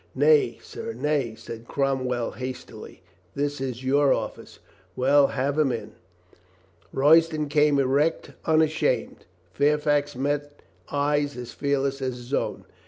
"Nay, sir, nay," said Cromwell hastily; "this is your office." "Well. Have him in." Royston came erect, unashamed. Fairfax met eyes as fearless as his own.